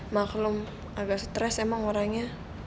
maklum agak stres emang orangnya